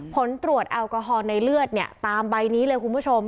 ผลตรวจแอลกอฮอล์ในเลือดเนี่ยตามใบนี้เลยคุณผู้ชม